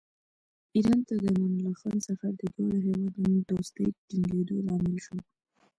ایران ته د امان الله خان سفر د دواړو هېوادونو دوستۍ ټینګېدو لامل شو.